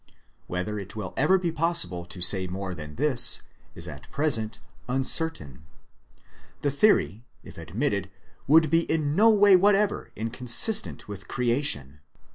Whether it will ever be possible to say more than this, is at present uncertain. The theory if admitted would be in no way whatever inconsistent with Creation.